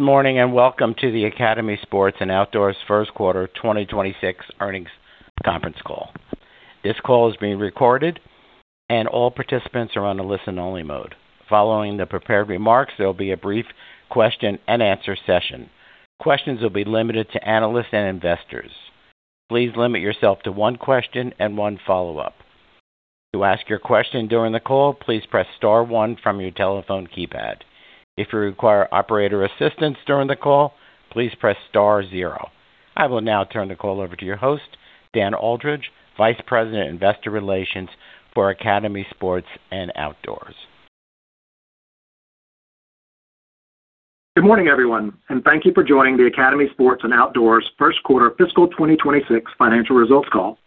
Good morning, welcome to the Academy Sports + Outdoors Q1 2026 earnings conference call. This call is being recorded, all participants are on a listen-only mode. Following the prepared remarks, there will be a brief question and answer session. Questions will be limited to analysts and investors. Please limit yourself to one question and one follow-up. To ask your question during the call, please press star one from your telephone keypad. If you require operator assistance during the call, please press star zero. I will now turn the call over to your host, Dan Aldridge, Vice President, Investor Relations for Academy Sports + Outdoors. Good morning, everyone, thank you for joining the Academy Sports + Outdoors Q1 fiscal 2026 financial results call.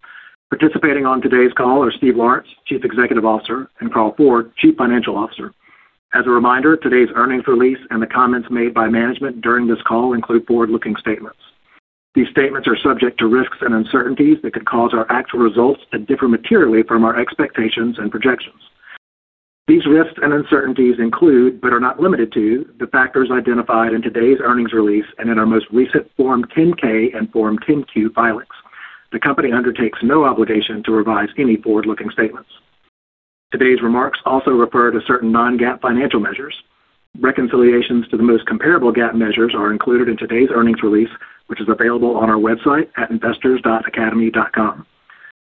Participating on today's call are Steve Lawrence, Chief Executive Officer, and Carl Ford, Chief Financial Officer. As a reminder, today's earnings release, the comments made by management during this call include forward-looking statements. These statements are subject to risks and uncertainties that could cause our actual results to differ materially from our expectations and projections. These risks and uncertainties include, but are not limited to, the factors identified in today's earnings release, in our most recent Form 10-K and Form 10-Q filings. The company undertakes no obligation to revise any forward-looking statements. Today's remarks also refer to certain non-GAAP financial measures. Reconciliations to the most comparable GAAP measures are included in today's earnings release, which is available on our website at investors.academy.com.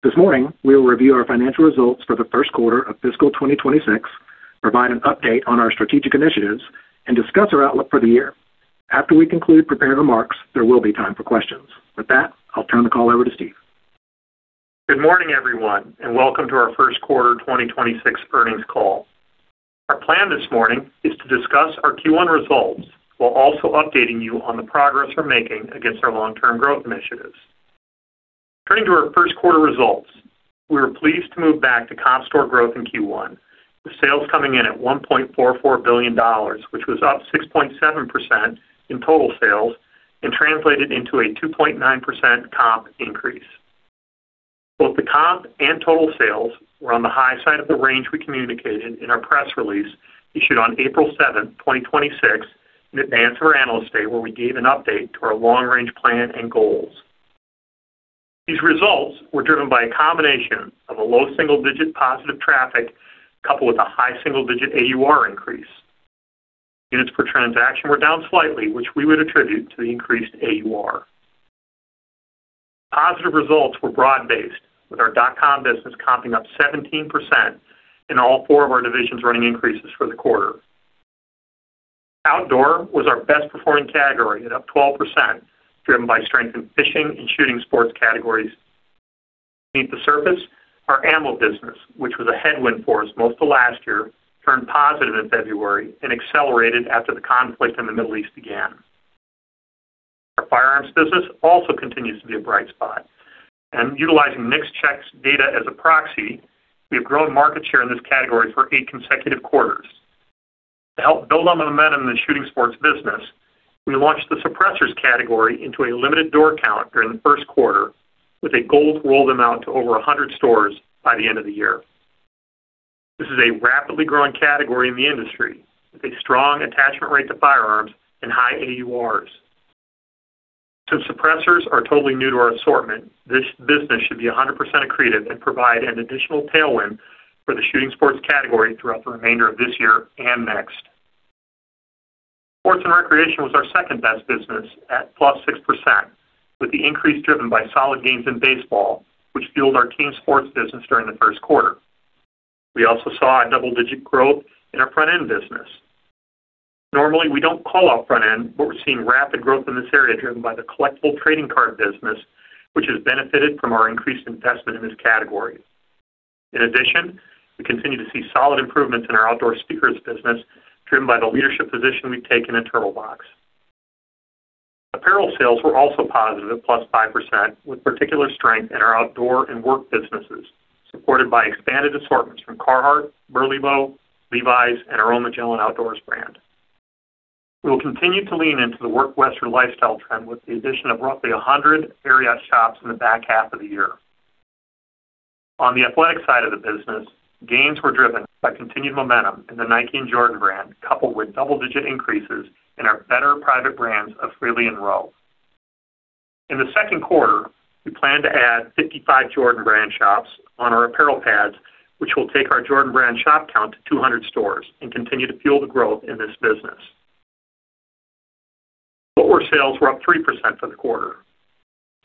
This morning, we will review our financial results for the Q1 of fiscal 2026, provide an update on our strategic initiatives, and discuss our outlook for the year. After we conclude prepared remarks, there will be time for questions. With that, I'll turn the call over to Steve. Good morning, everyone, welcome to our Q1 2026 earnings call. Our plan this morning is to discuss our Q1 results while also updating you on the progress we're making against our long-term growth initiatives. Turning to our Q1 results, we were pleased to move back to comp store growth in Q1, with sales coming in at $1.44 billion, which was up 6.7% in total sales and translated into a 2.9% comp increase. Both the comp and total sales were on the high side of the range we communicated in our press release issued on April 7th, 2026, in advance of our Analyst Day, where we gave an update to our long-range plan and goals. These results were driven by a combination of a low single-digit positive traffic coupled with a high single-digit AUR increase. Units per transaction were down slightly, which we would attribute to the increased AUR. Positive results were broad-based, with our dotcom business comping up 17% in all four of our divisions running increases for the quarter. Outdoor was our best performing category at up 12%, driven by strength in fishing and shooting sports categories. Beneath the surface, our ammo business, which was a headwind for us most of last year, turned positive in February and accelerated after the conflict in the Middle East began. Our firearms business also continues to be a bright spot, and utilizing NICS check data as a proxy, we have grown market share in this category for eight consecutive quarters. To help build on the momentum in the shooting sports business, we launched the suppressors category into a limited door count during the Q1 with a goal to roll them out to over 100 stores by the end of the year. This is a rapidly growing category in the industry with a strong attachment rate to firearms and high AURs. Since suppressors are totally new to our assortment, this business should be 100% accretive and provide an additional tailwind for the shooting sports category throughout the remainder of this year and next. Sports and recreation was our second-best business at +6%, with the increase driven by solid gains in baseball, which fueled our team sports business during the Q1. We also saw a double-digit growth in our front-end business. Normally, we don't call out front end. We're seeing rapid growth in this area driven by the collectible trading card business, which has benefited from our increased investment in this category. In addition, we continue to see solid improvements in our outdoor speakers business, driven by the leadership position we've taken in Turtlebox. Apparel sales were also positive at +5%, with particular strength in our outdoor and work businesses, supported by expanded assortments from Carhartt, BURLEBO, Levi's, and our own Magellan Outdoors brand. We will continue to lean into the Work Western lifestyle trend with the addition of roughly 100 Ariat shops in the back half of the year. On the athletic side of the business, gains were driven by continued momentum in the Nike and Jordan brand, coupled with double-digit increases in our better private brands of Freely and R.O.W. In the Q2, we plan to add 55 Jordan brand shops on our apparel pads, which will take our Jordan brand shop count to 200 stores and continue to fuel the growth in this business. Footwear sales were up 3% for the quarter.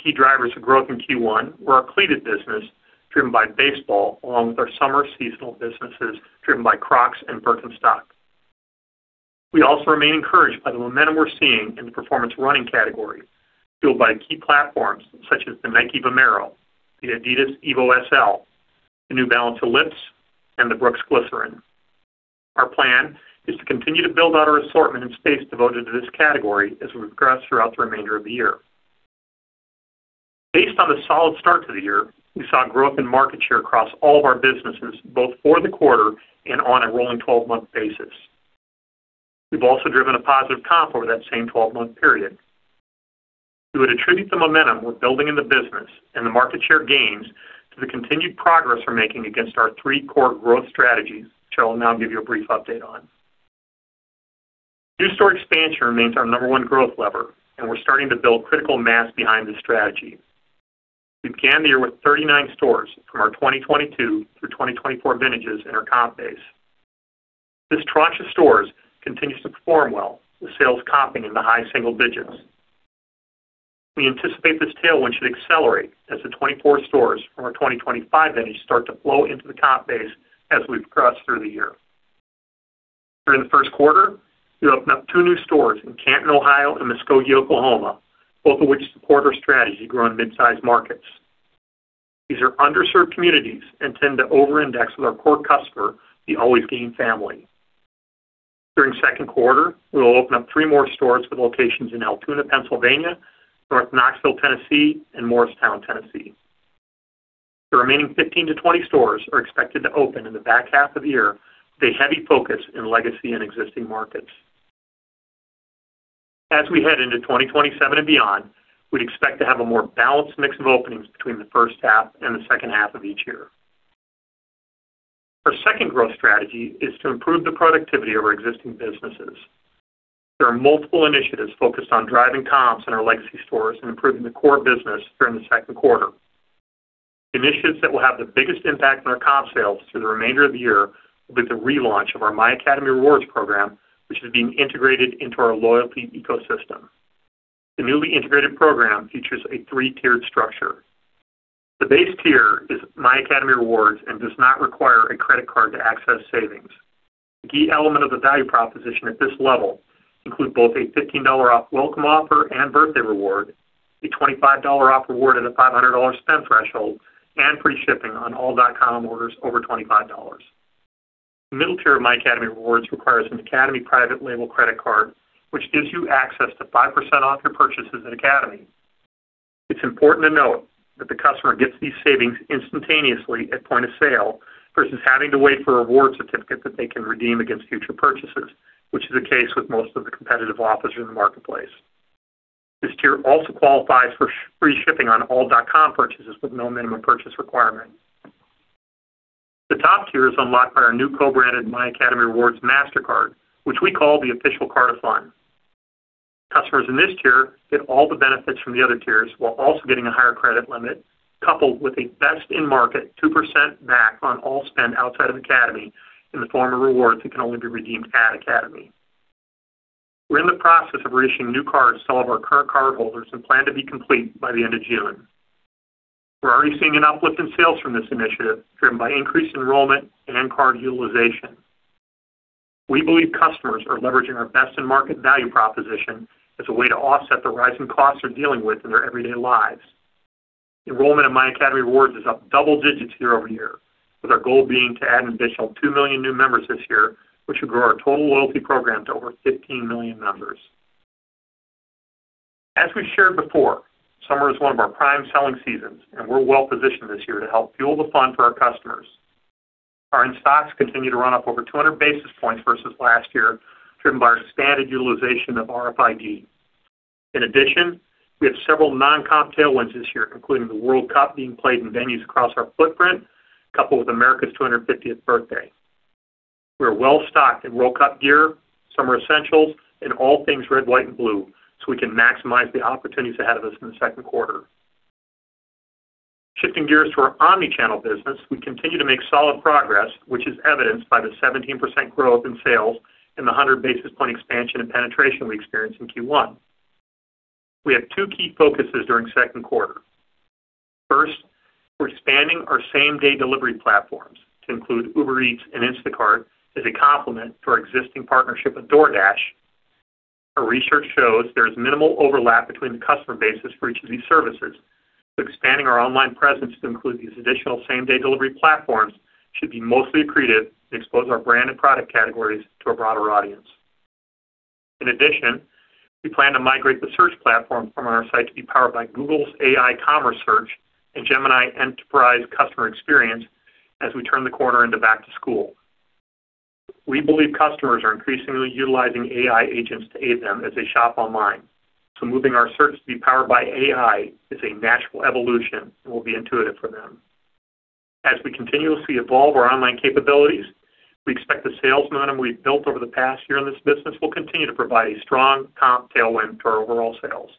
Key drivers of growth in Q1 were our cleated business, driven by baseball, along with our summer seasonal businesses, driven by Crocs and Birkenstock. We also remain encouraged by the momentum we're seeing in the performance running category, fueled by key platforms such as the Nike Vomero, the Adidas Evo SL, the New Balance Ellipse, and the Brooks Glycerin. Our plan is to continue to build out our assortment and space devoted to this category as we progress throughout the remainder of the year. Based on the solid start to the year, we saw growth in market share across all of our businesses, both for the quarter and on a rolling 12-month basis. We've also driven a positive comp over that same 12-month period. We would attribute the momentum we're building in the business and the market share gains to the continued progress we're making against our three core growth strategies, which I will now give you a brief update on. New store expansion remains our number one growth lever, and we're starting to build critical mass behind this strategy. We began the year with 39 stores from our 2022 through 2024 vintages in our comp base. This tranche of stores continues to perform well, with sales comping in the high single digits. We anticipate this tailwind should accelerate as the 24 stores from our 2025 vintage start to flow into the comp base as we progress through the year. During the Q1, we opened up two new stores in Canton, Ohio, and Muskogee, Oklahoma, both of which support our strategy to grow in mid-size markets. These are underserved communities and tend to over-index with our core customer, the always-game family. During the Q2, we will open up three more stores with locations in Altoona, Pennsylvania, North Knoxville, Tennessee, and Morristown, Tennessee. The remaining 15-20 stores are expected to open in the back half of the year, with a heavy focus in legacy and existing markets. As we head into 2027 and beyond, we expect to have a more balanced mix of openings between the H1 and theH2 of each year. Our second growth strategy is to improve the productivity of our existing businesses. There are multiple initiatives focused on driving comps in our legacy stores and improving the core business during the Q2. Initiatives that will have the biggest impact on our comp sales through the remainder of the year will be the relaunch of our My Academy Rewards program, which is being integrated into our loyalty ecosystem. The newly integrated program features a 3-tiered structure. The base tier is My Academy Rewards and does not require a credit card to access savings. The key element of the value proposition at this level includes both a $15 off welcome offer and birthday reward, a $25 off reward at a $500 spend threshold, and free shipping on all dotcom orders over $25. The middle tier of My Academy Rewards requires an Academy private label credit card, which gives you access to 5% off your purchases at Academy. It's important to note that the customer gets these savings instantaneously at point of sale versus having to wait for a reward certificate that they can redeem against future purchases, which is the case with most of the competitive offers in the marketplace. This tier also qualifies for free shipping on all dotcom purchases with no minimum purchase requirement. The top tier is unlocked by our new co-branded My Academy Rewards Mastercard, which we call the official card of fun. Customers in this tier get all the benefits from the other tiers while also getting a higher credit limit coupled with a best-in-market 2% back on all spend outside of Academy in the form of rewards that can only be redeemed at Academy. We're in the process of reissuing new cards to all of our current cardholders and plan to be complete by the end of June. We're already seeing an uplift in sales from this initiative, driven by increased enrollment and card utilization. We believe customers are leveraging our best-in-market value proposition as a way to offset the rising costs they're dealing with in their everyday lives. Enrollment in My Academy Rewards is up double digits year-over-year, with our goal being to add an additional two million new members this year, which will grow our total loyalty program to over 15 million members. As we shared before, summer is one of our prime selling seasons, and we're well positioned this year to help fuel the fun for our customers. Our in-stocks continue to run up over 200 basis points versus last year, driven by our expanded utilization of RFID. In addition, we have several non-comp tailwinds this year, including the World Cup being played in venues across our footprint, coupled with America's 250th birthday. We're well stocked in World Cup gear, summer essentials, and all things red, white, and blue. We can maximize the opportunities ahead of us in the Q2. Shifting gears to our omni-channel business, we continue to make solid progress, which is evidenced by the 17% growth in sales and the 100 basis point expansion in penetration we experienced in Q1. We have two key focuses during the Q2. First, we're expanding our same-day delivery platforms to include Uber Eats and Instacart as a complement to our existing partnership with DoorDash. Our research shows there is minimal overlap between the customer bases for each of these services. Expanding our online presence to include these additional same-day delivery platforms should be mostly accretive to expose our brand and product categories to a broader audience. In addition, we plan to migrate the search platform from our site to be powered by Google's AI Commerce Search and Gemini Enterprise customer experience as we turn the corner into back to school. We believe customers are increasingly utilizing AI agents to aid them as they shop online. Moving our search to be powered by AI is a natural evolution and will be intuitive for them. As we continuously evolve our online capabilities, we expect the sales momentum we've built over the past year in this business will continue to provide a strong comp tailwind for our overall sales.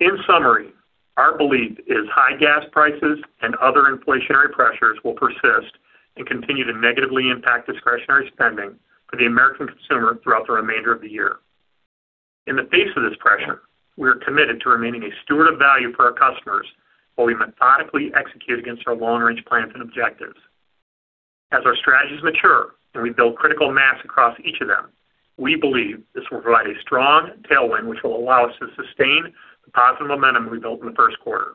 In summary, our belief is high gas prices and other inflationary pressures will persist and continue to negatively impact discretionary spending for the American consumer throughout the remainder of the year. In the face of this pressure, we are committed to remaining a steward of value for our customers while we methodically execute against our long-range plans and objectives. As our strategies mature and we build critical mass across each of them, we believe this will provide a strong tailwind, which will allow us to sustain the positive momentum we built in the Q1.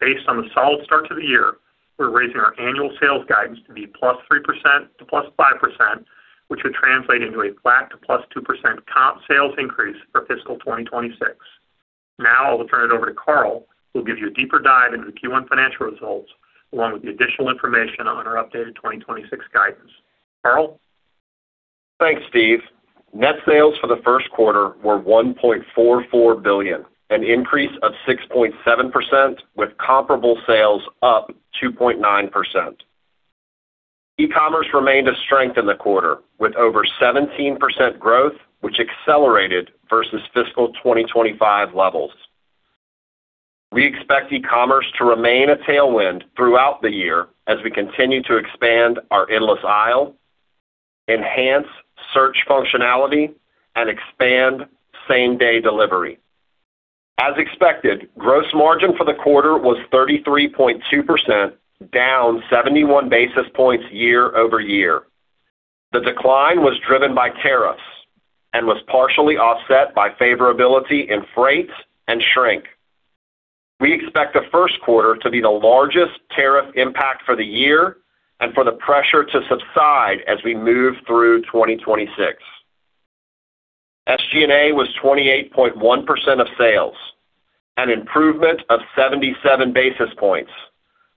Based on the solid start to the year, we're raising our annual sales guidance to be +3% to +5%, which would translate into a flat to +2% comp sales increase for fiscal 2026. Now, I will turn it over to Carl, who will give you a deeper dive into the Q1 financial results, along with the additional information on our updated 2026 guidance. Carl? Thanks, Steve. Net sales for the Q1 were $1.44 billion, an increase of 6.7%, with comparable sales up 2.9%. E-commerce remained a strength in the quarter, with over 17% growth, which accelerated versus fiscal 2025 levels. We expect e-commerce to remain a tailwind throughout the year as we continue to expand our endless aisle, enhance search functionality, and expand same-day delivery. As expected, gross margin for the quarter was 33.2%, down 71 basis points year-over-year. The decline was driven by tariffs and was partially offset by favorability in freight and shrink. We expect the Q1 to be the largest tariff impact for the year and for the pressure to subside as we move through 2026. SG&A was 28.1% of sales, an improvement of 77 basis points,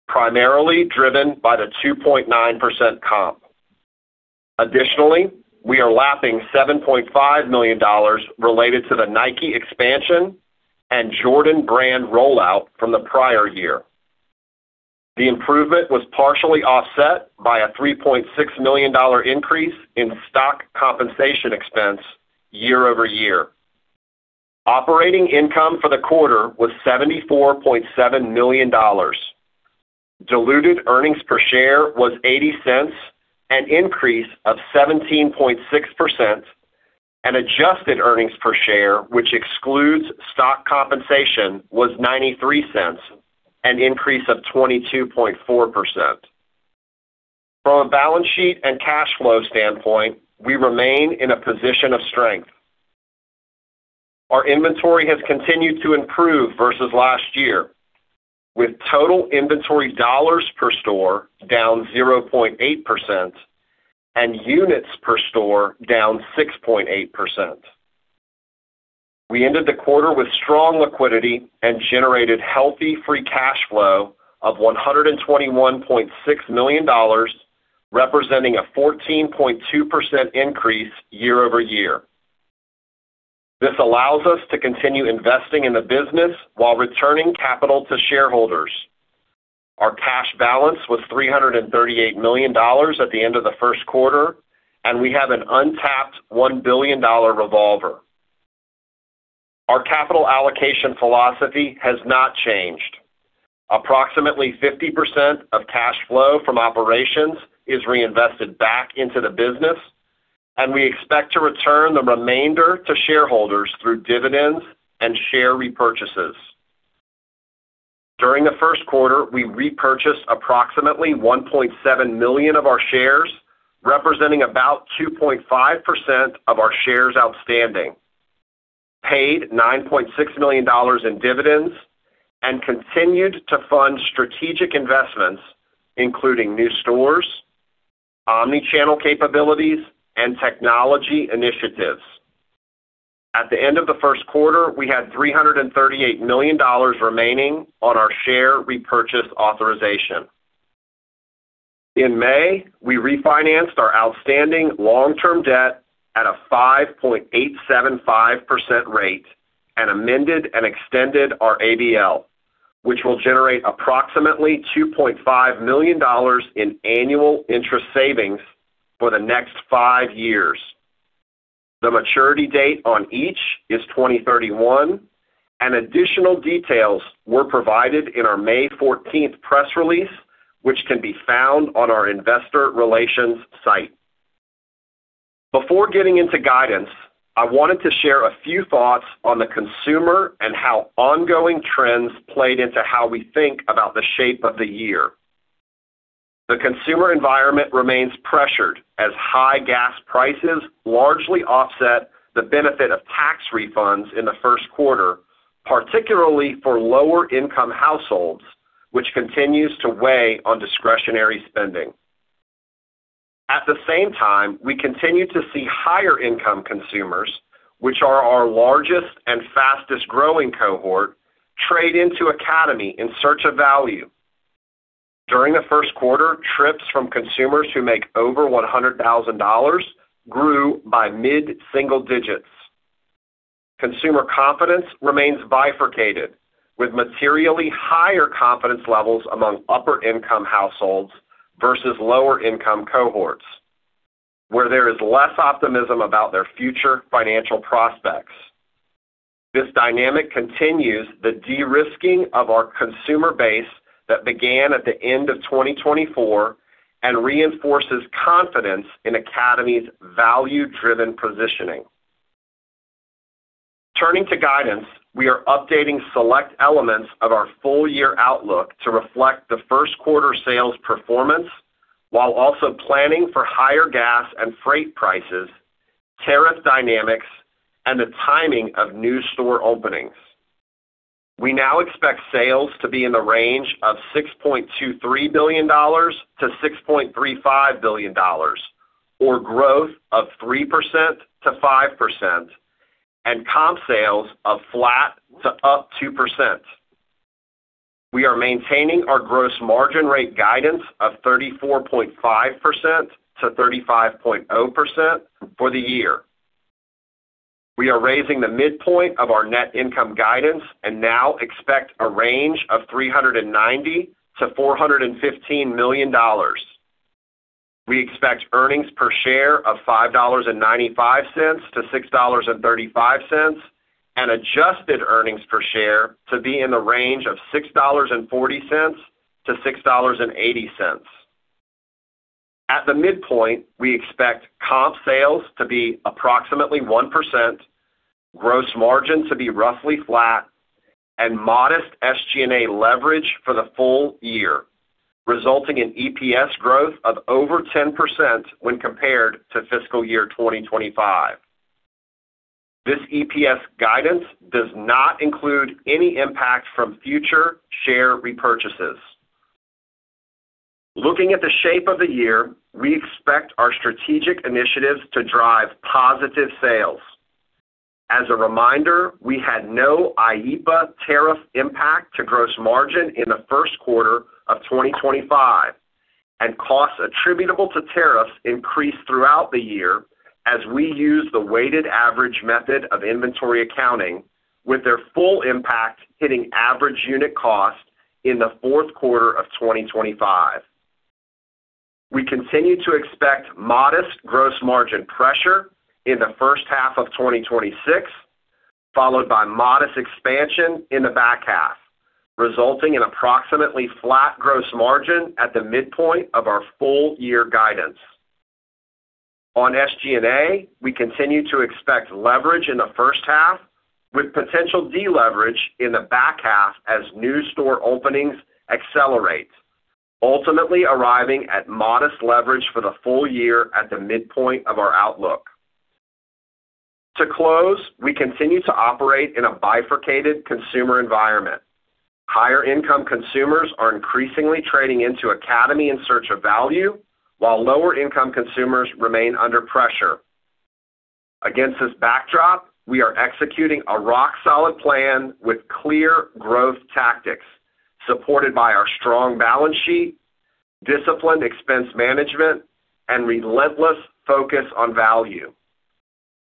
primarily driven by the 2.9% comp. Additionally, we are lapping $7.5 million related to the Nike expansion and Jordan brand rollout from the prior year. The improvement was partially offset by a $3.6 million increase in stock compensation expense year-over-year. Operating income for the quarter was $74.7 million. Diluted earnings per share was $0.80, an increase of 17.6%, and adjusted earnings per share, which excludes stock compensation, was $0.93, an increase of 22.4%. From a balance sheet and cash flow standpoint, we remain in a position of strength. Our inventory has continued to improve versus last year, with total inventory dollars per store down 0.8% and units per store down 6.8%. We ended the quarter with strong liquidity and generated healthy free cash flow of $121.6 million, representing a 14.2% increase year-over-year. This allows us to continue investing in the business while returning capital to shareholders. Our cash balance was $338 million at the end of the Q1, and we have an untapped $1 billion revolver. Our capital allocation philosophy has not changed. Approximately 50% of cash flow from operations is reinvested back into the business, and we expect to return the remainder to shareholders through dividends and share repurchases. During the Q1, we repurchased approximately 1.7 million of our shares, representing about 2.5% of our shares outstanding, paid $9.6 million in dividends, and continued to fund strategic investments, including new stores, omni-channel capabilities, and technology initiatives. At the end of the Q1, we had $338 million remaining on our share repurchase authorization. In May, we refinanced our outstanding long-term debt at a 5.875% rate and amended and extended our ABL, which will generate approximately $2.5 million in annual interest savings for the next five years. The maturity date on each is 2031, and additional details were provided in our May 14th press release, which can be found on our investor relations site. Before getting into guidance, I wanted to share a few thoughts on the consumer and how ongoing trends played into how we think about the shape of the year. The consumer environment remains pressured as high gas prices largely offset the benefit of tax refunds in the Q1, particularly for lower-income households, which continues to weigh on discretionary spending. At the same time, we continue to see higher-income consumers, which are our largest and fastest-growing cohort, trade into Academy in search of value. During the Q1, trips from consumers who make over $100,000 grew by mid-single digits. Consumer confidence remains bifurcated, with materially higher confidence levels among upper-income households versus lower-income cohorts, where there is less optimism about their future financial prospects. This dynamic continues the de-risking of our consumer base that began at the end of 2024 and reinforces confidence in Academy's value-driven positioning. Turning to guidance, we are updating select elements of our full year outlook to reflect the Q1 sales performance while also planning for higher gas and freight prices, tariff dynamics, and the timing of new store openings. We now expect sales to be in the range of $6.23 billion-$6.35 billion, or growth of 3%-5%, and comp sales of flat to up 2%. We are maintaining our gross margin rate guidance of 34.5%-35.0% for the year. We are raising the midpoint of our net income guidance and now expect a range of $390 million-$415 million. We expect earnings per share of $5.95-$6.35, and adjusted earnings per share to be in the range of $6.40-$6.80. At the midpoint, we expect comp sales to be approximately 1%, gross margin to be roughly flat, and modest SG&A leverage for the full year, resulting in EPS growth of over 10% when compared to fiscal year 2025. This EPS guidance does not include any impact from future share repurchases. Looking at the shape of the year, we expect our strategic initiatives to drive positive sales. As a reminder, we had no IEEPA tariff impact to gross margin in the Q1 of 2025, and costs attributable to tariffs increased throughout the year as we use the weighted average method of inventory accounting, with their full impact hitting average unit cost in the Q4 of 2025. We continue to expect modest gross margin pressure in the H1 of 2026, followed by modest expansion in the back half, resulting in approximately flat gross margin at the midpoint of our full-year guidance. On SG&A, we continue to expect leverage in the H1, with potential deleverage in the back half as new store openings accelerate, ultimately arriving at modest leverage for the full year at the midpoint of our outlook. To close, we continue to operate in a bifurcated consumer environment. Higher-income consumers are increasingly trading into Academy in search of value, while lower-income consumers remain under pressure. Against this backdrop, we are executing a rock-solid plan with clear growth tactics, supported by our strong balance sheet, disciplined expense management, and relentless focus on value.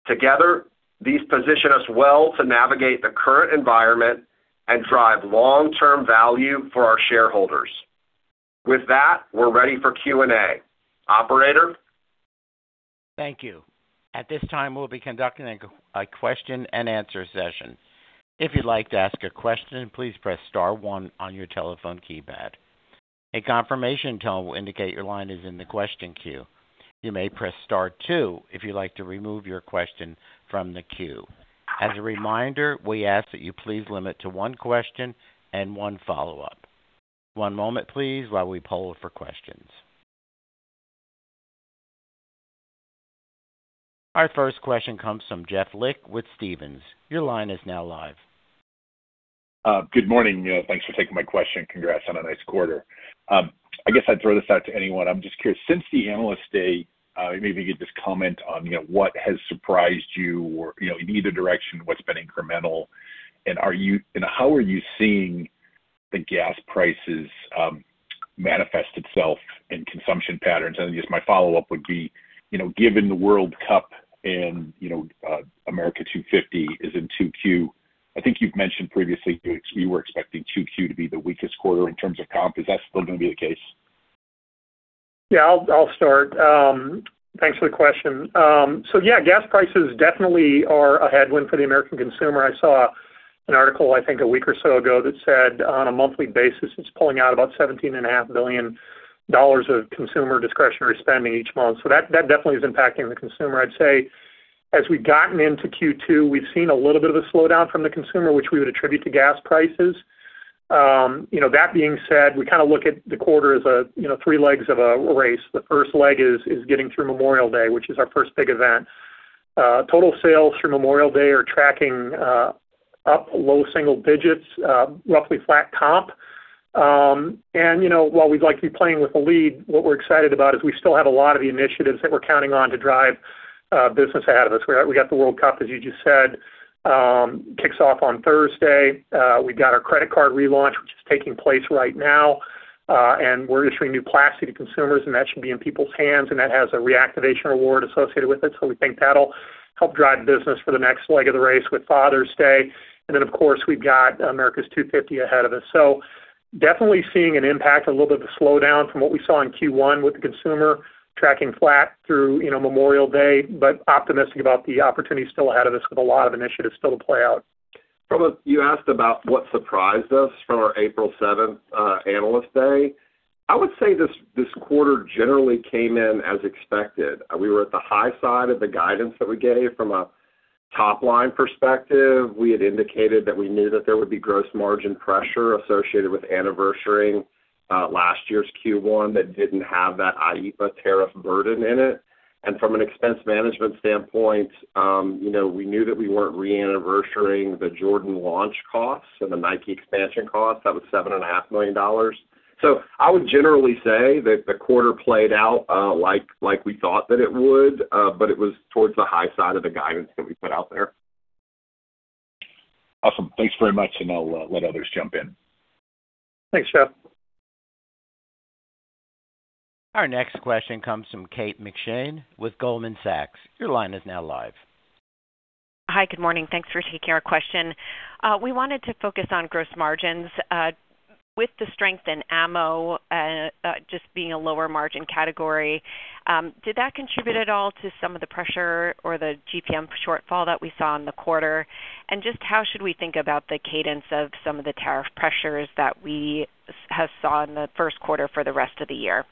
Together, these position us well to navigate the current environment and drive long-term value for our shareholders. With that, we're ready for Q&A. Operator? Thank you. At this time, we'll be conducting a question and answer session. If you'd like to ask a question, please press star one on your telephone keypad. A confirmation tone will indicate your line is in the question queue. You may press star two if you'd like to remove your question from the queue. As a reminder, we ask that you please limit to one question and one follow-up. One moment, please, while we poll for questions. Our first question comes from Jeff Lick with Stephens. Your line is now live. Good morning. Thanks for taking my question. Congrats on a nice quarter. I guess I'd throw this out to anyone. I'm just curious, since the Analyst Day, maybe you could just comment on what has surprised you in either direction, what's been incremental, and how are you seeing the gas prices manifest itself in consumption patterns? I guess my follow-up would be, given the World Cup and America 250 is in Q2, I think you've mentioned previously you were expecting Q2 to be the weakest quarter in terms of comp. Is that still going to be the case? Yeah, I'll start. Thanks for the question. Yeah, gas prices definitely are a headwind for the American consumer. I saw an article, I think a week or so ago, that said on a monthly basis, it's pulling out about $17.5 billion of consumer discretionary spending each month. That definitely is impacting the consumer. I'd say as we've gotten into Q2, we've seen a little bit of a slowdown from the consumer, which we would attribute to gas prices. That being said, we look at the quarter as three legs of a race. The first leg is getting through Memorial Day, which is our first big event. Total sales through Memorial Day are tracking up low single digits, roughly flat comp. While we'd like to be playing with a lead, what we're excited about is we still have a lot of the initiatives that we're counting on to drive business ahead of us. We got the World Cup, as you just said, kicks off on Thursday. We've got our credit card relaunch, which is taking place right now. We're issuing new plastic to consumers, and that should be in people's hands, and that has a reactivation reward associated with it. We think that'll help drive business for the next leg of the race with Father's Day. Of course, we've got America's 250 ahead of us. Definitely seeing an impact, a little bit of a slowdown from what we saw in Q1 with the consumer tracking flat through Memorial Day. Optimistic about the opportunity still ahead of us with a lot of initiatives still to play out. You asked about what surprised us from our April 7th Analyst Day. I would say this quarter generally came in as expected. We were at the high side of the guidance that we gave from a top-line perspective. We had indicated that we knew that there would be gross margin pressure associated with anniversarying last year's Q1 that didn't have that IEEPA tariff burden in it. From an expense management standpoint, we knew that we weren't re-anniversarying the Jordan launch costs and the Nike expansion costs. That was $7.5 million. I would generally say that the quarter played out like we thought that it would, but it was towards the high side of the guidance that we put out there. Awesome. Thanks very much, and I'll let others jump in. Thanks, Jeff. Our next question comes from Kate McShane with Goldman Sachs. Your line is now live. Hi. Good morning. Thanks for taking our question. We wanted to focus on gross margins. With the strength in ammo, just being a lower margin category, did that contribute at all to some of the pressure or the GPM shortfall that we saw in the quarter? Just how should we think about the cadence of some of the tariff pressures that we have saw in the Q1 for the rest of the year?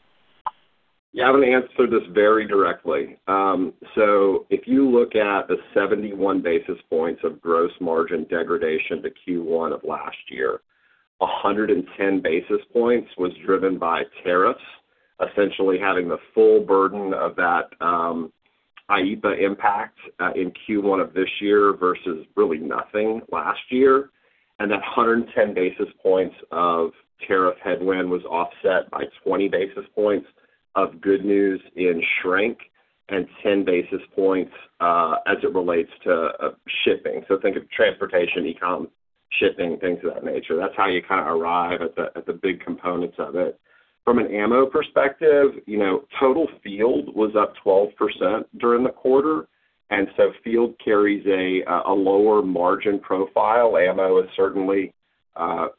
Yeah, I'm going to answer this very directly. If you look at the 71 basis points of gross margin degradation to Q1 of last year, 110 basis points was driven by tariffs, essentially having the full burden of that IEEPA impact, in Q1 of this year versus really nothing last year. That 110 basis points of tariff headwind was offset by 20 basis points of good news in shrink and 10 basis points as it relates to shipping. Think of transportation, e-com, shipping, things of that nature. That's how you kind of arrive at the big components of it. From an ammo perspective, total field was up 12% during the quarter, field carries a lower margin profile. Ammo is certainly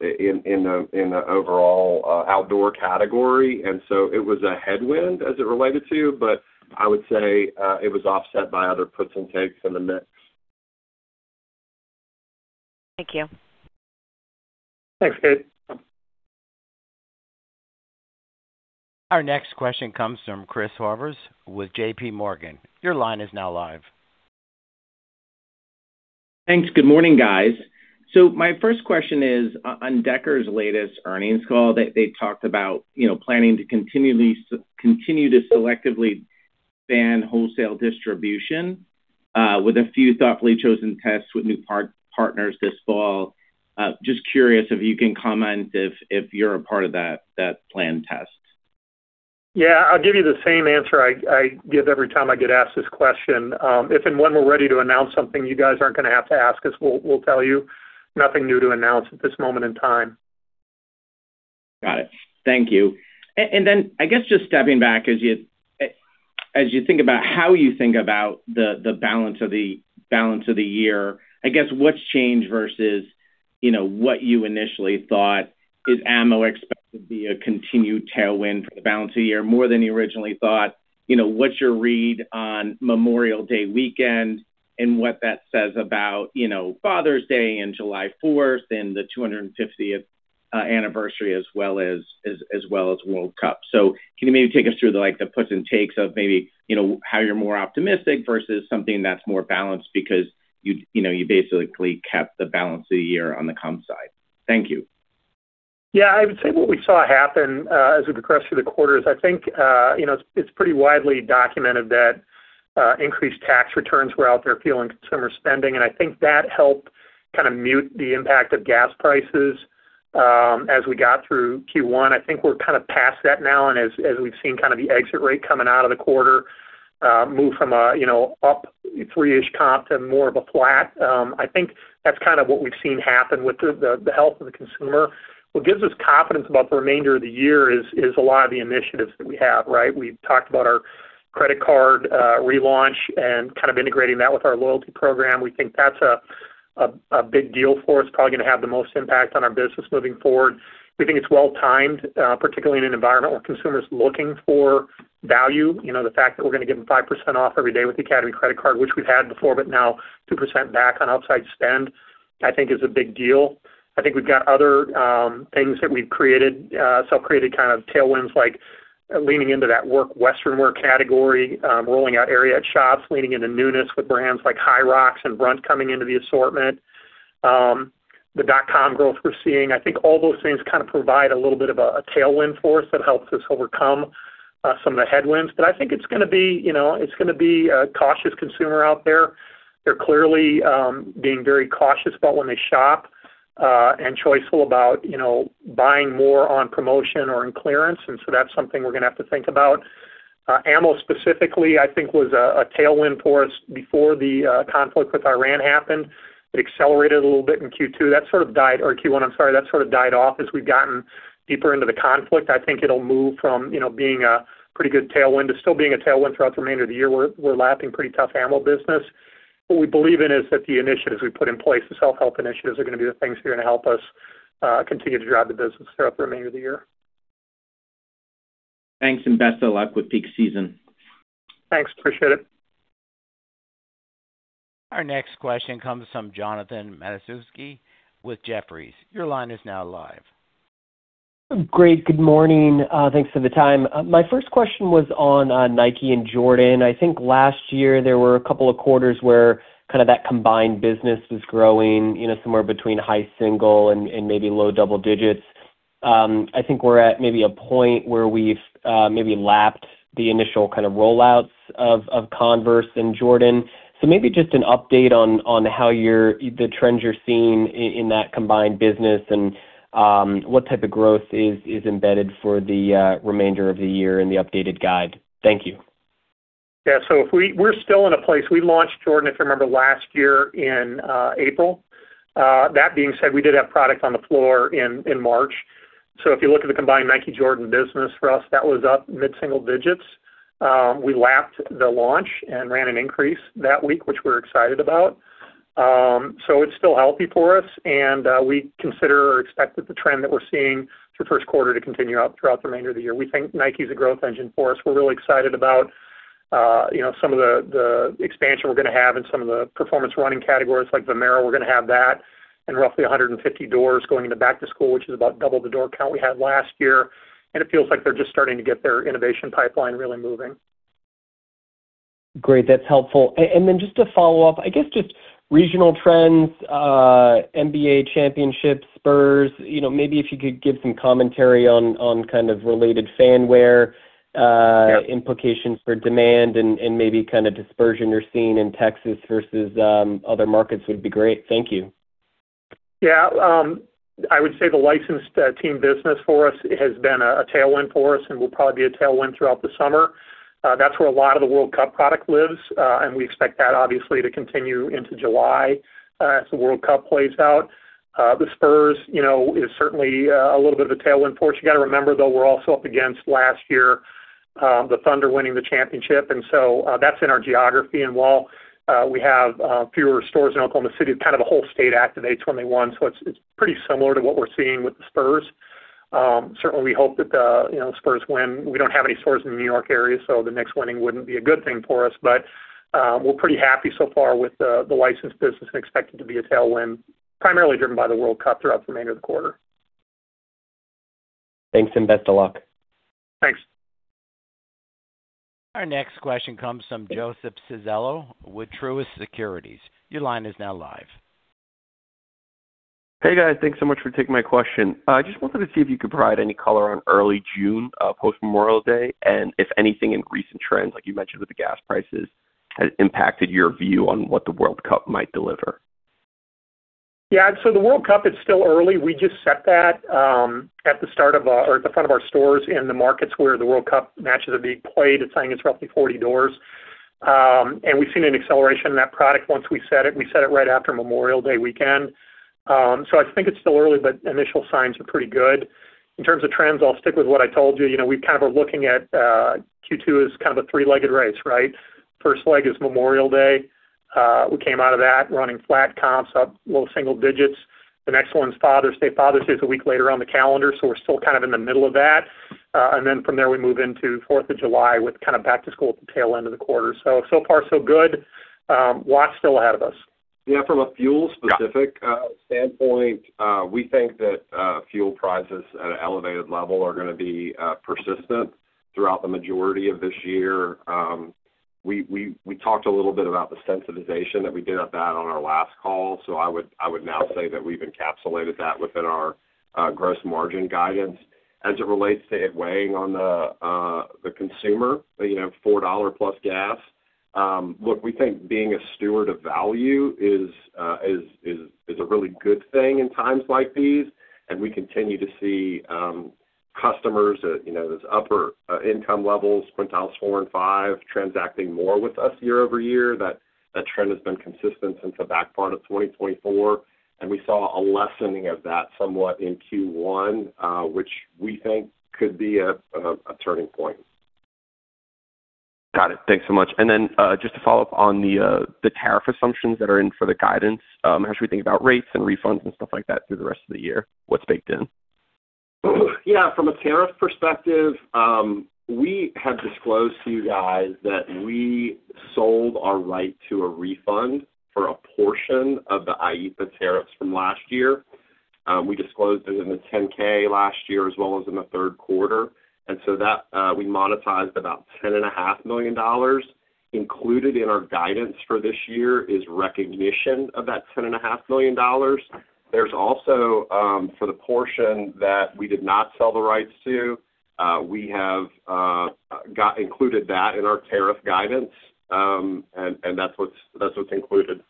in the overall outdoor category. It was a headwind as it related to, I would say it was offset by other puts and takes in the mix. Thank you. Thanks, Kate. Our next question comes from Chris Horvers with JPMorgan. Your line is now live. Thanks. Good morning, guys. My first question is on Deckers latest earnings call. They talked about planning to continue to selectively ban wholesale distribution, with a few thoughtfully chosen tests with new partners this fall. Just curious if you can comment if you're a part of that planned test. Yeah, I'll give you the same answer I give every time I get asked this question. If and when we're ready to announce something, you guys aren't going to have to ask us. We'll tell you. Nothing new to announce at this moment in time. Got it. Thank you. Then, I guess just stepping back as you think about how you think about the balance of the year, I guess what's changed versus what you initially thought? Is ammo expected to be a continued tailwind for the balance of the year more than you originally thought? What's your read on Memorial Day weekend, and what that says about Father's Day and July 4th and the 250th anniversary as well as World Cup? Can you maybe take us through the puts and takes of maybe how you're more optimistic versus something that's more balanced because you basically kept the balance of the year on the comp side. Thank you. Yeah, I would say what we saw happen, as we progressed through the quarter is I think, it's pretty widely documented that increased tax returns were out there fueling consumer spending, and I think that helped kind of mute the impact of gas prices as we got through Q1. I think we're kind of past that now, and as we've seen kind of the exit rate coming out of the quarter, move from up three-ish comp to more of a flat. I think that's kind of what we've seen happen with the health of the consumer. What gives us confidence about the remainder of the year is a lot of the initiatives that we have, right? We've talked about our credit card relaunch and kind of integrating that with our loyalty program. We think that's a big deal for us, probably going to have the most impact on our business moving forward. We think it's well timed, particularly in an environment where consumers looking for value. The fact that we're going to give them 5% off every day with the Academy credit card, which we've had before, but now 2% back on outside spend, I think is a big deal. I think we've got other things that we've created, self-created kind of tailwinds, like leaning into that work Western wear category, rolling out Ariat shops, leaning into newness with brands like High rocks and Brunt coming into the assortment. The dot-com growth we're seeing. I think all those things kind of provide a little bit of a tailwind force that helps us overcome some of the headwinds. I think it's going to be a cautious consumer out there. They're clearly being very cautious about when they shop, and choiceful about buying more on promotion or in clearance. That's something we're going to have to think about. Ammo specifically, I think was a tailwind for us before the conflict with Iran happened. It accelerated a little bit in Q2. Q1, I'm sorry. That sort of died off as we've gotten deeper into the conflict. I think it'll move from being a pretty good tailwind to still being a tailwind throughout the remainder of the year. We're lapping pretty tough ammo business. What we believe in is that the initiatives we put in place, the self-help initiatives, are going to be the things that are going to help us continue to drive the business throughout the remainder of the year. Thanks. Best of luck with peak season. Thanks. Appreciate it. Our next question comes from Jonathan Matuszewski with Jefferies. Your line is now live. Great. Good morning. Thanks for the time. My first question was on Nike and Jordan. I think last year there were a couple of quarters where kind of that combined business was growing somewhere between high single and maybe low double digits. I think we're at maybe a point where we've maybe lapped the initial kind of rollouts of Converse and Jordan. Maybe just an update on the trends you're seeing in that combined business and what type of growth is embedded for the remainder of the year in the updated guide. Thank you. Yeah. We launched Jordan, if you remember, last year in April. That being said, we did have product on the floor in March. If you look at the combined Nike Jordan business for us, that was up mid-single digits. We lapped the launch and ran an increase that week, which we're excited about. It's still healthy for us, and we consider or expect that the trend that we're seeing for the Q1 to continue out throughout the remainder of the year. We think Nike is a growth engine for us. We're really excited about some of the expansion we're going to have in some of the performance running categories like Vomero. We're going to have that in roughly 150 doors going into back to school, which is about double the door count we had last year. It feels like they're just starting to get their innovation pipeline really moving. Great. That's helpful. Then just to follow up, I guess, just regional trends, NBA championships, Spurs. Maybe if you could give some commentary on kind of related fan wear implications for demand, maybe kind of dispersion you're seeing in Texas versus other markets would be great. Thank you. Yeah. I would say the licensed team business for us has been a tailwind for us and will probably be a tailwind throughout the summer. That's where a lot of the World Cup product lives. We expect that obviously to continue into July as the World Cup plays out. The Spurs is certainly a little bit of a tailwind for us. You got to remember, though, we're also up against last year, the Thunder winning the championship, that's in our geography. While we have fewer stores in Oklahoma City, kind of the whole state activates when they won. It's pretty similar to what we're seeing with the Spurs. Certainly, we hope that the Spurs win. We don't have any stores in the New York area, so the Knicks winning wouldn't be a good thing for us. We're pretty happy so far with the licensed business and expect it to be a tailwind, primarily driven by the World Cup throughout the remainder of the quarter. Thanks, best of luck. Thanks. Our next question comes from Joseph Civello with Truist Securities. Your line is now live. Hey, guys. Thanks so much for taking my question. I just wanted to see if you could provide any color on early June post Memorial Day, and if anything in recent trends, like you mentioned with the gas prices, has impacted your view on what the World Cup might deliver. Yeah. The World Cup, it's still early. We just set that at the front of our stores in the markets where the World Cup matches are being played. It's roughly 40 doors. We've seen an acceleration in that product once we set it. We set it right after Memorial Day weekend. I think it's still early, but initial signs are pretty good. In terms of trends, I'll stick with what I told you. We kind of are looking at Q2 as kind of a three-legged race, right? First leg is Memorial Day. We came out of that running flat comps, up low single digits. The next one's Father's Day. Father's Day is a week later on the calendar, so we're still kind of in the middle of that. From there, we move into Fourth of July with kind of back to school at the tail end of the quarter. So far, so good. Lot still ahead of us. Yeah, from a fuel specific standpoint, we think that fuel prices at an elevated level are gonna be persistent throughout the majority of this year. We talked a little bit about the sensitization that we did at that on our last call. I would now say that we've encapsulated that within our gross margin guidance. As it relates to it weighing on the consumer, $4+ gas, look, we think being a steward of value is a really good thing in times like these, and we continue to see customers, those upper income levels, quintiles four and five, transacting more with us year-over-year. That trend has been consistent since the back part of 2024. We saw a lessening of that somewhat in Q1, which we think could be a turning point. Got it. Thanks so much. Just to follow up on the tariff assumptions that are in for the guidance. As we think about rates and refunds and stuff like that through the rest of the year, what's baked in? Yeah. From a tariff perspective, we have disclosed to you guys that we sold our right to a refund for a portion of the IEEPA tariffs from last year. We disclosed it in the 10-K last year, as well as in the Q3. That, we monetized about $10.5 million. Included in our guidance for this year is recognition of that $10.5 million. There's also, for the portion that we did not sell the rights to, we have included that in our tariff guidance, and that's what's included.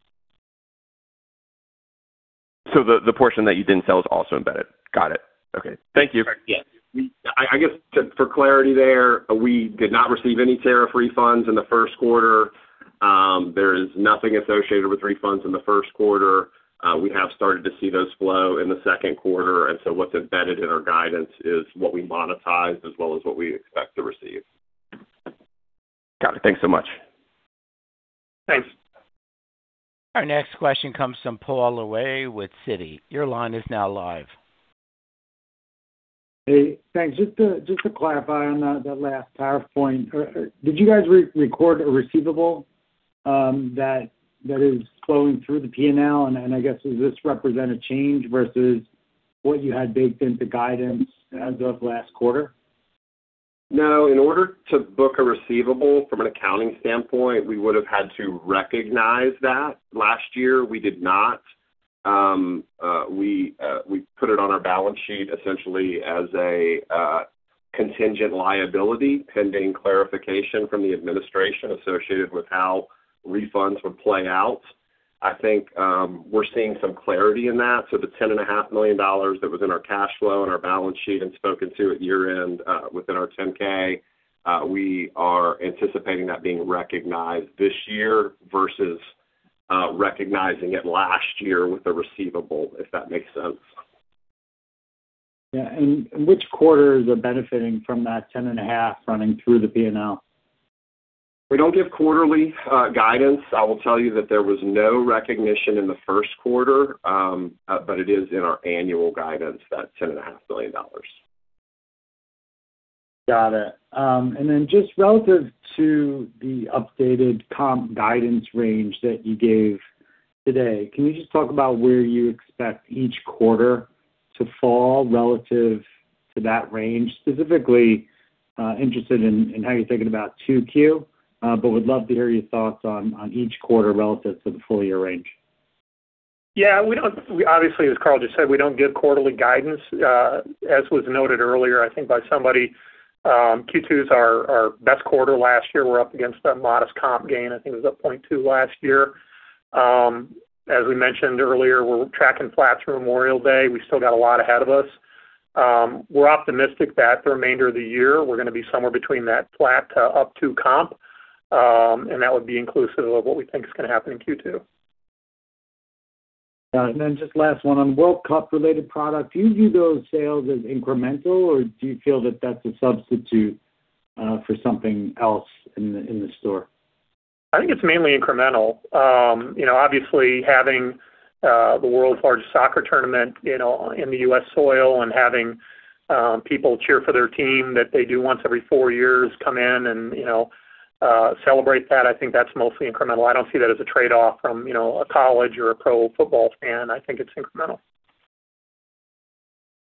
The portion that you didn't sell is also embedded. Got it. Okay. Thank you. Yeah. I guess for clarity there, we did not receive any tariff refunds in the Q1. There is nothing associated with refunds in the Q1. We have started to see those flow in the Q2. What's embedded in our guidance is what we monetized as well as what we expect to receive. Got it. Thanks so much. Thanks. Our next question comes from Paul Lejuez with Citi. Your line is now live. Hey, thanks. Just to clarify on that last point. Did you guys record a receivable that is flowing through the P&L? I guess, does this represent a change versus what you had baked into guidance as of last quarter? In order to book a receivable from an accounting standpoint, we would have had to recognize that last year. We did not. We put it on our balance sheet essentially as a contingent liability pending clarification from the administration associated with how refunds would play out. I think we're seeing some clarity in that. The $10.5 million that was in our cash flow and our balance sheet and spoken to at year-end within our Form 10-K, we are anticipating that being recognized this year versus recognizing it last year with the receivable, if that makes sense. Yeah. Which quarter is it benefiting from that $10.5 running through the P&L? We don't give quarterly guidance. I will tell you that there was no recognition in the Q1, it is in our annual guidance, that $10.5 million. Got it. Just relative to the updated comp guidance range that you gave today, can you just talk about where you expect each quarter to fall relative to that range? Specifically, interested in how you're thinking about Q2, would love to hear your thoughts on each quarter relative to the full-year range. Yeah. Obviously, as Carl just said, we don't give quarterly guidance. As was noted earlier, I think by somebody, Q2 is our best quarter last year. We're up against a modest comp gain. I think it was up 0.2 last year. As we mentioned earlier, we're tracking flat through Memorial Day. We still got a lot ahead of us. We're optimistic that the remainder of the year we're going to be somewhere between that flat to up two comp, and that would be inclusive of what we think is going to happen in Q2. Got it. Just last one on World Cup related product. Do you view those sales as incremental, or do you feel that that's a substitute for something else in the store? I think it's mainly incremental. Obviously, having the World Cup, world's largest soccer tournament in the U.S. soil and having people cheer for their team that they do once every four years come in and celebrate that, I think that's mostly incremental. I don't see that as a trade-off from a college or a pro football fan. I think it's incremental.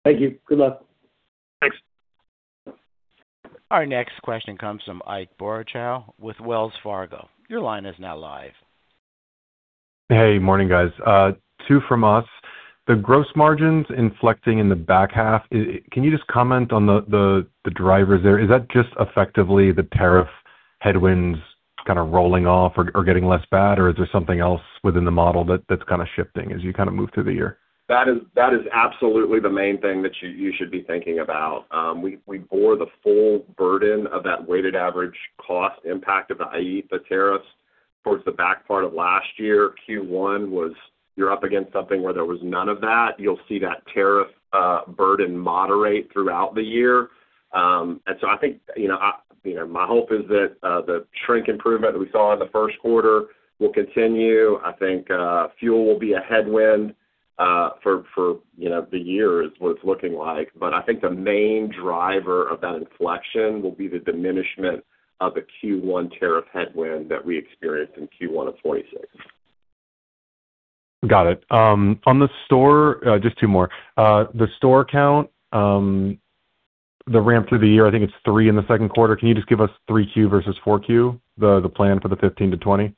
Thank you. Good luck. Thanks. Our next question comes from Ike Boruchow with Wells Fargo. Your line is now live. Hey, morning, guys. Two from us. The gross margins inflecting in the back half, can you just comment on the drivers there? Is that just effectively the tariff headwinds kind of rolling off or getting less bad, or is there something else within the model that's kind of shifting as you move through the year? That is absolutely the main thing that you should be thinking about. We bore the full burden of that weighted average cost impact of the IEEPA tariffs towards the back part of last year. Q1 was you're up against something where there was none of that. You'll see that tariff burden moderate throughout the year. I think my hope is that the shrink improvement that we saw in the Q1will continue. I think fuel will be a headwind for the year is what it's looking like. I think the main driver of that inflection will be the diminishment of the Q1 tariff headwind that we experienced in Q1 of 2026. Got it. Just two more. The store count, the ramp through the year, I think it's three in the Q2. Can you just give us Q3 versus Q4, the plan for the 15-20?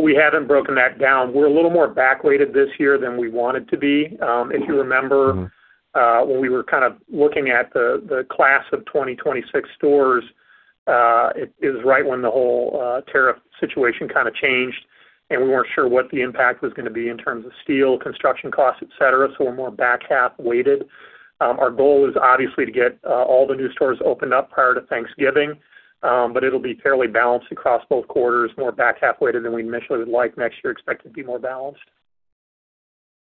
We haven't broken that down. We're a little more back-weighted this year than we wanted to be. If you remember, when we were kind of looking at the class of 2026 stores, it was right when the whole tariff situation kind of changed, and we weren't sure what the impact was going to be in terms of steel, construction costs, et cetera. We're more back half weighted. Our goal is obviously to get all the new stores opened up prior to Thanksgiving. It'll be fairly balanced across both quarters, more back half weighted than we initially would like. Next year, expect it to be more balanced.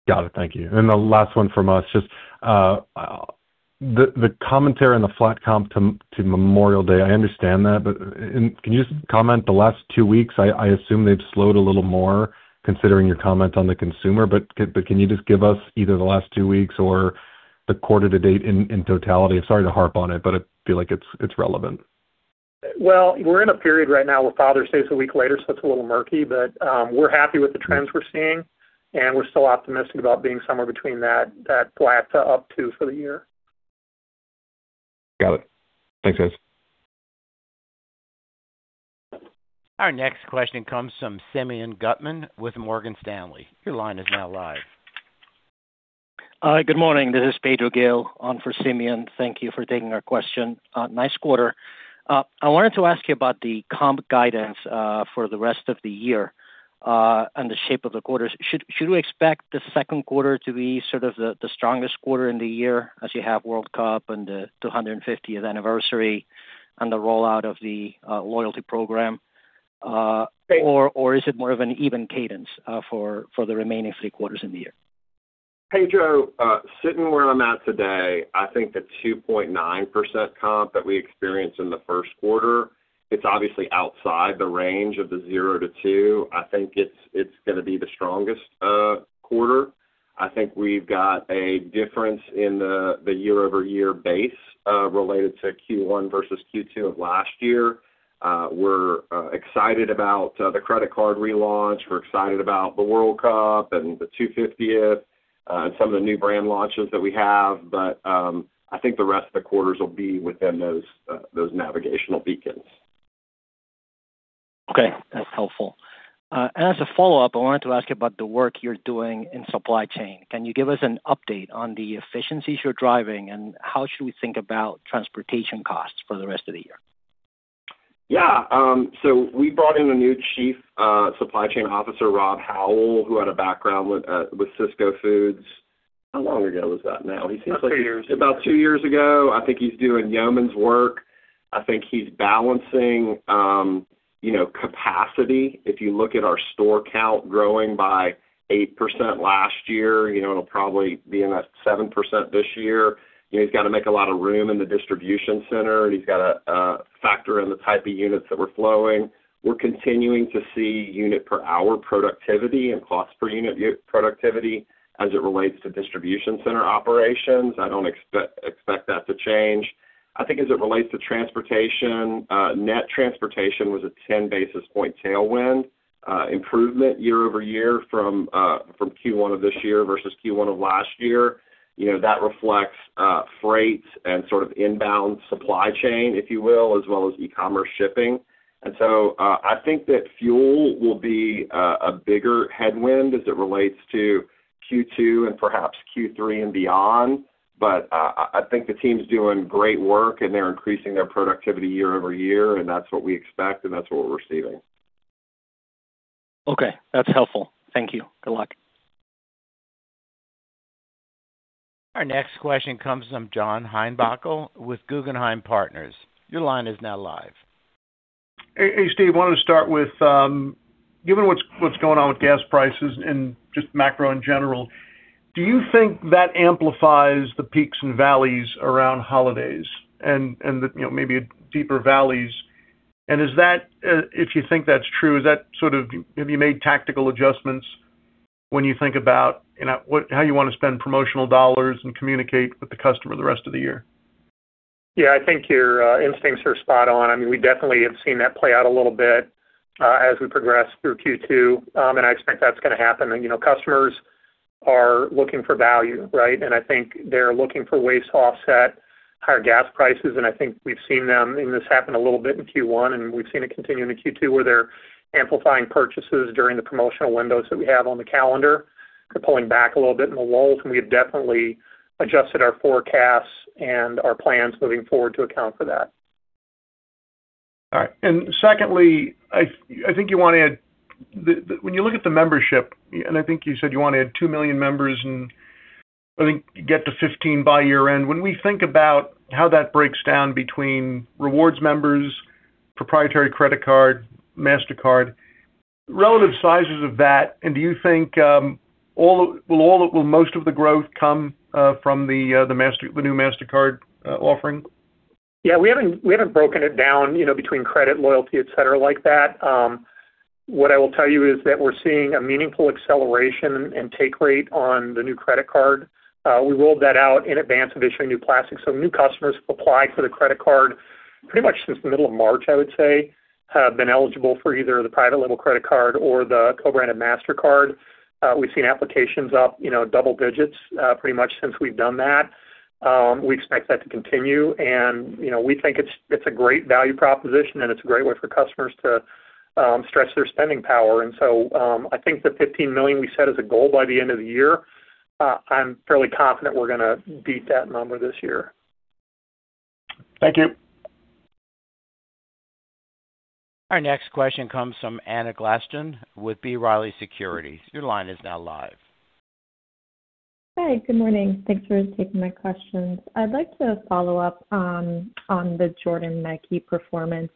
Got it. Thank you. The last one from us. Just the commentary on the flat comp to Memorial Day, I understand that. Can you just comment the last two weeks? I assume they've slowed a little more considering your comment on the consumer. Can you just give us either the last two weeks or the quarter to date in totality? Sorry to harp on it, but I feel like it's relevant. Well, we're in a period right now where Father's Day is a week later, so it's a little murky. We're happy with the trends we're seeing, and we're still optimistic about being somewhere between that flat to up two for the year. Got it. Thanks, guys. Our next question comes from Simeon Gutman with Morgan Stanley. Your line is now live. Hi. Good morning. This is Pedro Gil on for Simeon. Thank you for taking our question. Nice quarter. I wanted to ask you about the comp guidance for the rest of the year and the shape of the quarters. Should we expect the second quarter to be sort of the strongest quarter in the year as you have World Cup and the 250th anniversary and the rollout of the loyalty program? Or is it more of an even cadence for the remaining three quarters in the year? Pedro, sitting where I'm at today, I think the 2.9% comp that we experienced in the first quarter, it's obviously outside the range of the zero to two. I think it's going to be the strongest quarter. I think we've got a difference in the year-over-year base related to Q1 versus Q2 of last year. We're excited about the credit card relaunch. We're excited about the World Cup and the 250th and some of the new brand launches that we have. I think the rest of the quarters will be within those navigational beacons. Okay. That's helpful. As a follow-up, I wanted to ask you about the work you're doing in supply chain. Can you give us an update on the efficiencies you're driving, and how should we think about transportation costs for the rest of the year? Yeah. We brought in a new Chief Supply Chain Officer, Rob Howell, who had a background with Sysco Foods. How long ago was that now? He seems like- About two years. About two years ago. I think he's doing yeoman's work. I think he's balancing capacity. If you look at our store count growing by 8% last year, it'll probably be in that 7% this year. He's got to make a lot of room in the distribution center, and he's got to factor in the type of units that we're flowing. We're continuing to see unit per hour productivity and cost per unit productivity as it relates to distribution center operations. I don't expect that to change. I think as it relates to transportation, net transportation was a 10 basis point tailwind improvement year-over-year from Q1 of this year versus Q1 of last year. That reflects freight and sort of inbound supply chain, if you will, as well as e-commerce shipping. I think that fuel will be a bigger headwind as it relates to Q2 and perhaps Q3 and beyond. I think the team's doing great work and they're increasing their productivity year-over-year, and that's what we expect, and that's what we're seeing. Okay. That's helpful. Thank you. Good luck. Our next question comes from John Heinbockel with Guggenheim Partners. Your line is now live. Hey, Steve, wanted to start with, given what's going on with gas prices and just macro in general, do you think that amplifies the peaks and valleys around holidays and maybe deeper valleys? If you think that's true, have you made tactical adjustments when you think about how you want to spend promotional dollars and communicate with the customer the rest of the year? Yeah, I think your instincts are spot on. I mean, we definitely have seen that play out a little bit as we progress through Q2, and I expect that's going to happen. Customers are looking for value, right? I think they're looking for ways to offset higher gas prices. I think we've seen this happen a little bit in Q1, and we've seen it continue into Q2, where they're amplifying purchases during the promotional windows that we have on the calendar. They're pulling back a little bit in the lulls, and we have definitely adjusted our forecasts and our plans moving forward to account for that. All right. Secondly, when you look at the membership, and I think you said you want to add two million members and I think get to 15 by year-end. When we think about how that breaks down between rewards members, proprietary credit card, Mastercard, relative sizes of that, do you think will most of the growth come from the new Mastercard offering? Yeah, we haven't broken it down between credit, loyalty, et cetera, like that. What I will tell you is that we're seeing a meaningful acceleration in take rate on the new credit card. We rolled that out in advance of issuing new plastic. New customers who apply for the credit card pretty much since the middle of March, I would say, have been eligible for either the private label credit card or the co-branded Mastercard. We've seen applications up double digits pretty much since we've done that. We expect that to continue, and we think it's a great value proposition and it's a great way for customers to stretch their spending power. I think the 15 million we set as a goal by the end of the year, I'm fairly confident we're going to beat that number this year. Thank you. Our next question comes from Anna Glaessgen with B. Riley Securities. Your line is now live. Hi. Good morning. Thanks for taking my questions. I'd like to follow up on the Jordan Nike performance.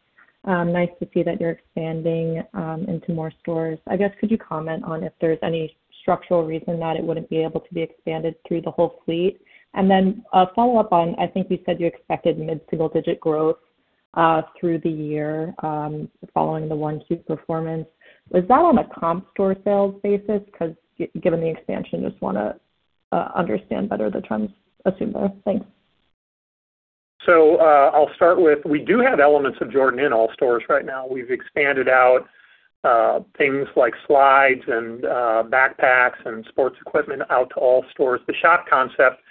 Nice to see that you're expanding into more stores. I guess, could you comment on if there's any structural reason that it wouldn't be able to be expanded through the whole fleet? A follow-up on, I think you said you expected mid-single digit growth through the year following the Q1 performance. Was that on a comp store sales basis? Given the expansion, just want to understand better the trends. Assume both. Thanks. I'll start with, we do have elements of Jordan in all stores right now. We've expanded out things like slides and backpacks and sports equipment out to all stores. The shop concept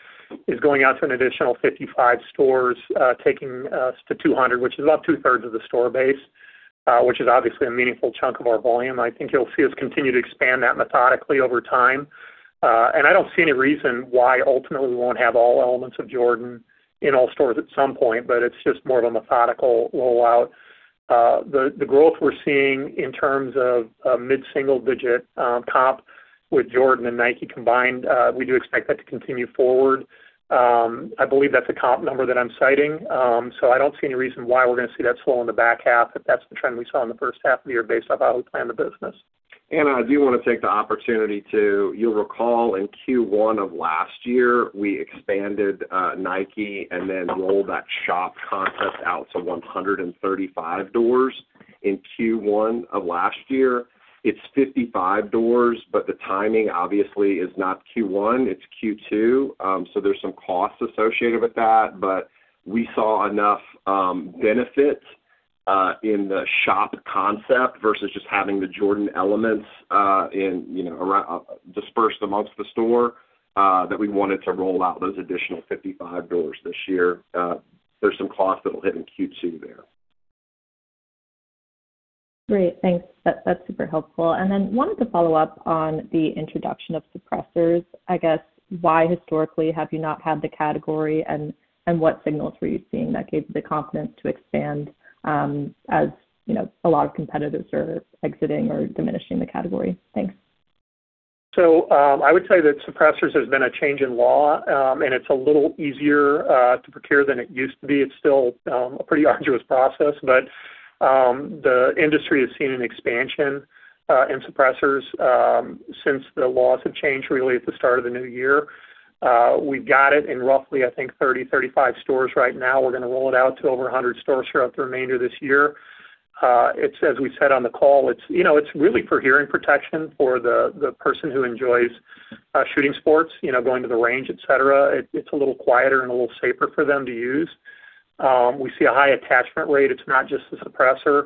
is going out to an additional 55 stores, taking us to 200, which is about two-thirds of the store base, which is obviously a meaningful chunk of our volume. I think you'll see us continue to expand that methodically over time. I don't see any reason why ultimately we won't have all elements of Jordan in all stores at some point, but it's just more of a methodical rollout. The growth we're seeing in terms of mid-single digit comp with Jordan and Nike combined, we do expect that to continue forward. I believe that's a comp number that I'm citing. I don't see any reason why we're going to see that slow in the back half, if that's the trend we saw in the H1 of the year based off how we plan the business. Anna, I do want to take the opportunity to, you'll recall in Q1 of last year, we expanded Nike, rolled that shop concept out to 135 doors in Q1 of last year. It's 55 doors, the timing obviously is not Q1, it's Q2, there's some costs associated with that. We saw enough benefits in the shop concept versus just having the Jordan elements dispersed amongst the store that we wanted to roll out those additional 55 doors this year. There's some costs that'll hit in Q2 there. Great. Thanks. That's super helpful. Wanted to follow up on the introduction of suppressors. I guess, why historically have you not had the category, and what signals were you seeing that gave you the confidence to expand as a lot of competitors are exiting or diminishing the category? Thanks. I would say that suppressors has been a change in law, and it's a little easier to procure than it used to be. It's still a pretty arduous process, but the industry has seen an expansion in suppressors since the laws have changed, really at the start of the new year. We've got it in roughly, I think, 30, 35 stores right now. We're going to roll it out to over 100 stores throughout the remainder of this year. As we said on the call, it's really for hearing protection for the person who enjoys shooting sports, going to the range, et cetera. It's a little quieter and a little safer for them to use. We see a high attachment rate. It's not just the suppressor.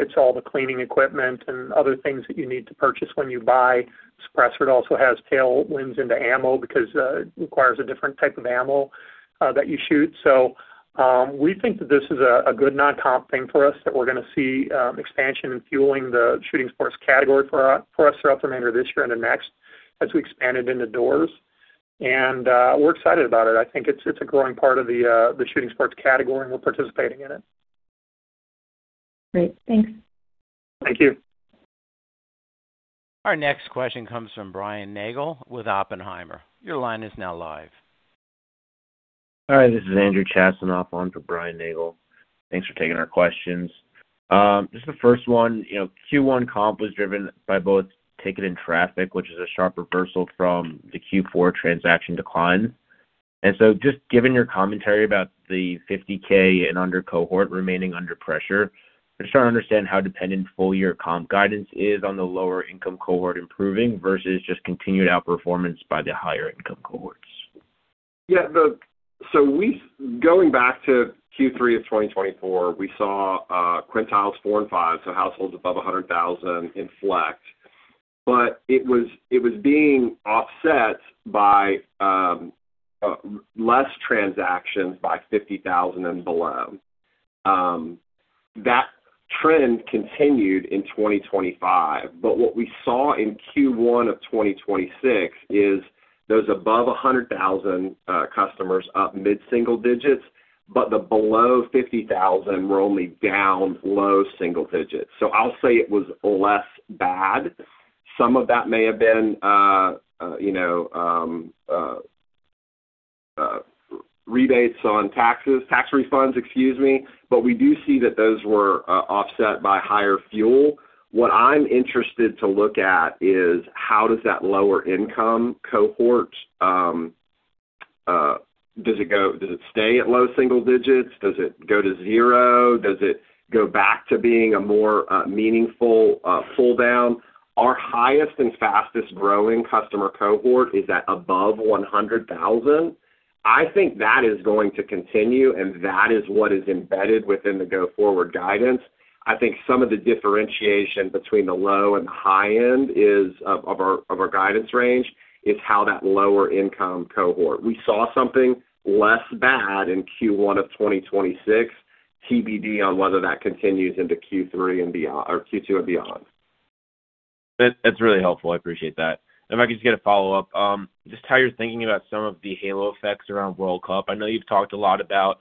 It's all the cleaning equipment and other things that you need to purchase when you buy a suppressor. It also has tailwinds into ammo because it requires a different type of ammo that you shoot. We think that this is a good non-comp thing for us, that we're going to see expansion and fueling the shooting sports category for us throughout the remainder of this year and the next as we expand it into doors. We're excited about it. I think it's a growing part of the shooting sports category, and we're participating in it. Great. Thanks. Thank you. Our next question comes from Brian Nagel with Oppenheimer. Your line is now live. Hi, this is Andrew Chasanoff on for Brian Nagel. Thanks for taking our questions. Just the first one. Q1 comp was driven by both ticket and traffic, which is a sharp reversal from the Q4 transaction decline. Just given your commentary about the $50K and under cohort remaining under pressure, I'm just trying to understand how dependent full year comp guidance is on the lower income cohort improving versus just continued outperformance by the higher income cohorts. Yeah. Going back to Q3 of 2024, we saw quintiles four and five, so households above $100,000 inflect. It was being offset by less transactions by $50,000 and below. That trend continued in 2025, what we saw in Q1 of 2026 is those above $100,000 customers up mid-single digits, the below $50,000 were only down low single digits. I'll say it was less bad. Some of that may have been rebates on taxes, tax refunds, excuse me. We do see that those were offset by higher fuel. What I'm interested to look at is how does that lower income cohort, does it stay at low single digits? Does it go to zero? Does it go back to being a more meaningful pull down? Our highest and fastest growing customer cohort is at above $100,000. I think that is going to continue, and that is what is embedded within the go-forward guidance. I think some of the differentiation between the low and the high end of our guidance range is how that lower income cohort. We saw something less bad in Q1 of 2026. TBD on whether that continues into Q2, and beyond. That's really helpful. I appreciate that. If I could just get a follow-up, just how you're thinking about some of the halo effects around World Cup. I know you've talked a lot about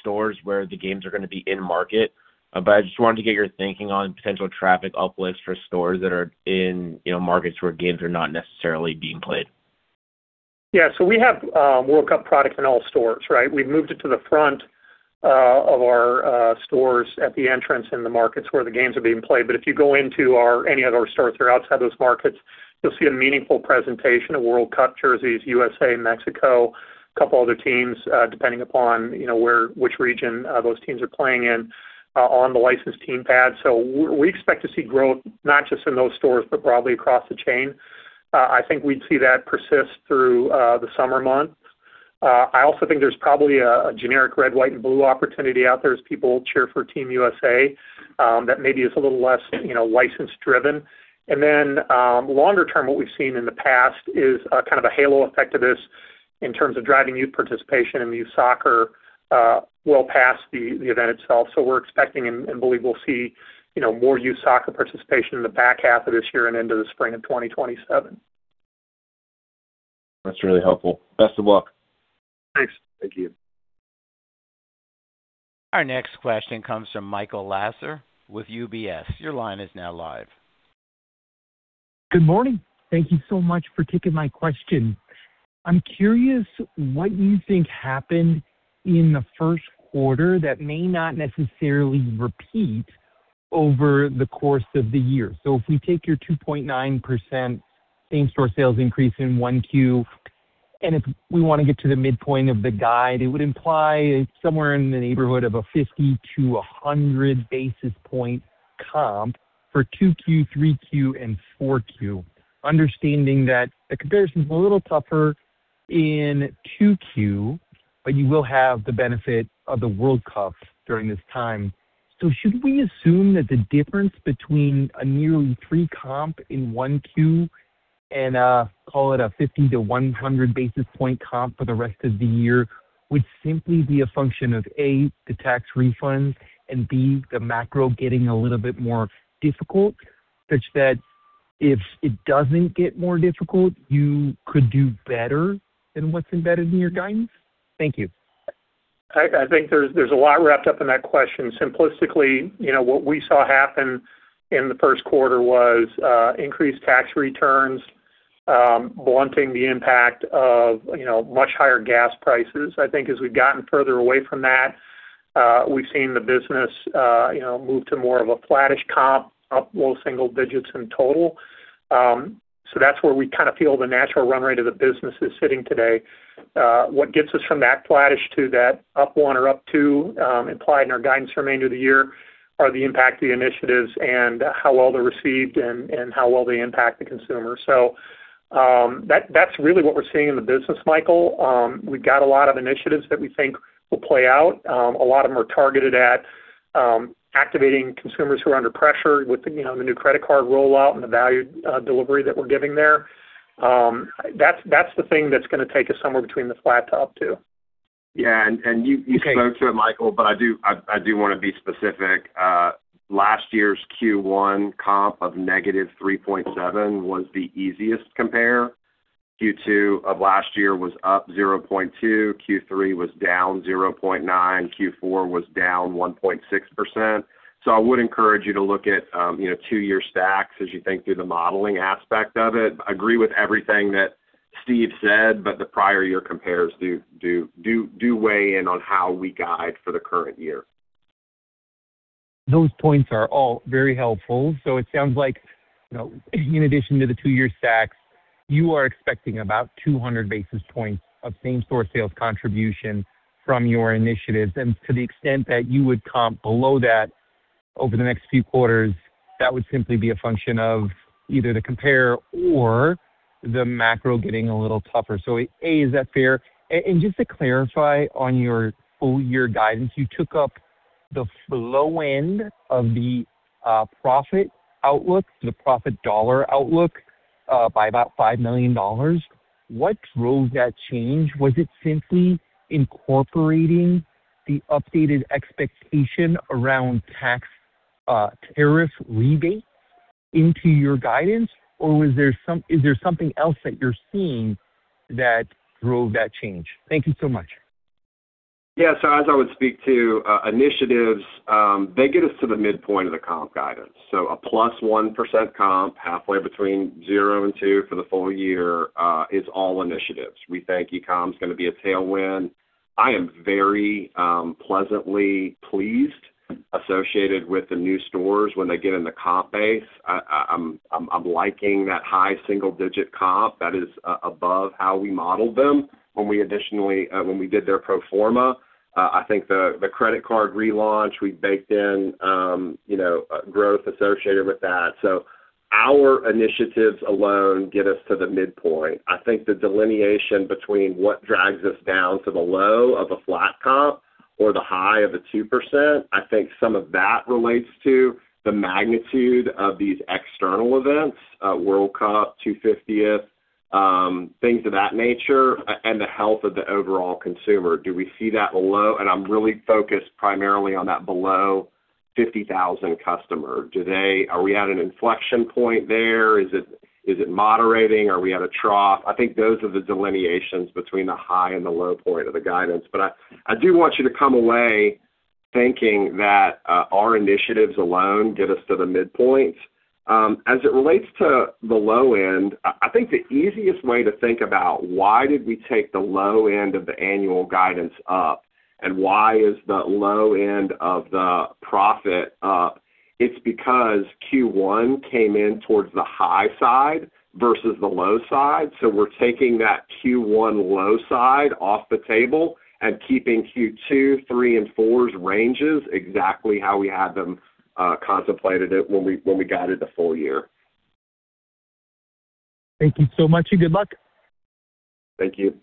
stores where the games are going to be in market, but I just wanted to get your thinking on potential traffic uplifts for stores that are in markets where games are not necessarily being played. Yeah. We have World Cup products in all stores, right? We've moved it to the front of our stores at the entrance in the markets where the games are being played. If you go into any of our stores that are outside those markets, you'll see a meaningful presentation of World Cup jerseys, USA, Mexico, couple other teams, depending upon which region those teams are playing in on the licensed team pads. We expect to see growth not just in those stores, but broadly across the chain. I think we'd see that persist through the summer months. I also think there's probably a generic red, white, and blue opportunity out there as people cheer for Team USA. That maybe is a little less license driven. Longer term, what we've seen in the past is kind of a halo effect of this in terms of driving youth participation in youth soccer well past the event itself. We're expecting and believe we'll see more youth soccer participation in the back half of this year and into the spring of 2027. That's really helpful. Best of luck. Thanks. Thank you. Our next question comes from Michael Lasser with UBS. Your line is now live. Good morning. Thank you so much for taking my question. I'm curious what you think happened in the Q1 that may not necessarily repeat over the course of the year. If we take your 2.9% same store sales increase in Q1, and if we want to get to the midpoint of the guide, it would imply somewhere in the neighborhood of a 50-100 basis point comp for Q2, Q3, and Q4. Understanding that the comparison's a little tougher in Q2, but you will have the benefit of the World Cup during this time. Should we assume that the difference between a nearly three comp in Q1. Call it a 50-100 basis point comp for the rest of the year would simply be a function of, A, the tax refunds, and B, the macro getting a little bit more difficult, such that if it doesn't get more difficult, you could do better than what's embedded in your guidance? Thank you. I think there's a lot wrapped up in that question. Simplistically, what we saw happen in the Q1 was increased tax returns blunting the impact of much higher gas prices. I think as we've gotten further away from that, we've seen the business move to more of a flattish comp, up low single digits in total. That's where we kind of feel the natural run rate of the business is sitting today. What gets us from that flattish to that up one or up two implied in our guidance for the remainder of the year are the impact of the initiatives and how well they're received and how well they impact the consumer. That's really what we're seeing in the business, Michael. We've got a lot of initiatives that we think will play out. A lot of them are targeted at activating consumers who are under pressure with the new credit card rollout and the value delivery that we're giving there. That's the thing that's going to take us somewhere between the flat to up two. You spoke to it, Michael, but I do want to be specific. Last year's Q1 comp of -3.7 was the easiest compare. Q2 of last year was up 0.2. Q3 was down 0.9. Q4 was down 1.6%. I would encourage you to look at two-year stacks as you think through the modeling aspect of it. Agree with everything that Steve said, but the prior year compares do weigh in on how we guide for the current year. Those points are very helpful. It sounds like in addition to the two-year stacks, you are expecting about 200 basis points of same-store sales contribution from your initiatives. To the extent that you would comp below that over the next few quarters, that would simply be a function of either the compare or the macro getting a little tougher. A, is that fair? Just to clarify on your full year guidance, you took up the low end of the profit outlook, the profit dollar outlook, by about $5 million. What drove that change? Was it simply incorporating the updated expectation around tax tariff rebate into your guidance, or is there something else that you're seeing that drove that change? Thank you so much. Yeah. As I would speak to initiatives, they get us to the midpoint of the comp guidance. A +1% comp halfway between zero and two for the full year is all initiatives. We think e-comm is going to be a tailwind. I am very pleasantly pleased associated with the new stores when they get in the comp base. I'm liking that high single-digit comp. That is above how we modeled them when we did their pro forma. I think the credit card relaunch, we baked in growth associated with that. Our initiatives alone get us to the midpoint. I think the delineation between what drags us down to the low of a flat comp or the high of a 2%, I think some of that relates to the magnitude of these external events, World Cup, 250th, things of that nature, and the health of the overall consumer. Do we see that low? I'm really focused primarily on that below 50,000 customer. Are we at an inflection point there? Is it moderating? Are we at a trough? I think those are the delineations between the high and the low point of the guidance. I do want you to come away thinking that our initiatives alone get us to the midpoint. As it relates to the low end, I think the easiest way to think about why did we take the low end of the annual guidance up and why is the low end of the profit up, it's because Q1 came in towards the high side versus the low side. We're taking that Q1 low side off the table and keeping Q2, Q3, and Q4's ranges exactly how we had them contemplated it when we guided the full year. Thank you so much, and good luck. Thank you.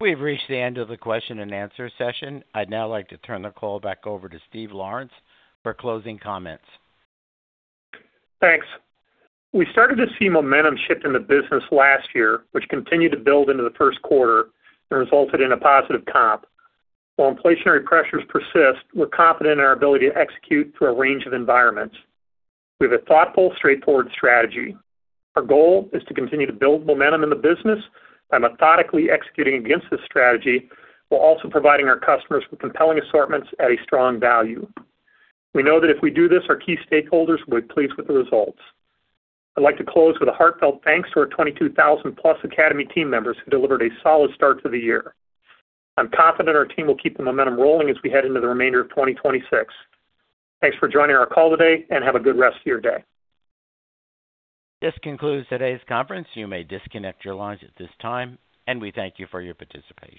We've reached the end of the question and answer session. I'd now like to turn the call back over to Steve Lawrence for closing comments. Thanks. We started to see momentum shift in the business last year, which continued to build into the Q1 and resulted in a positive comp. While inflationary pressures persist, we're confident in our ability to execute through a range of environments. We have a thoughtful, straightforward strategy. Our goal is to continue to build momentum in the business by methodically executing against this strategy while also providing our customers with compelling assortments at a strong value. We know that if we do this, our key stakeholders will be pleased with the results. I'd like to close with a heartfelt thanks to our 22,000+ Academy team members who delivered a solid start to the year. I'm confident our team will keep the momentum rolling as we head into the remainder of 2026. Thanks for joining our call today, and have a good rest of your day. This concludes today's conference. You may disconnect your lines at this time, and we thank you for your participation.